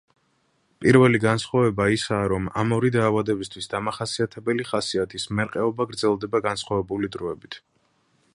პირველი განსხვავება, ისაა, რომ ამ ორი დაავადებისთვის დამახასიათებელი ხასიათის მერყეობა გრძელდება განსხვავებული დროებით.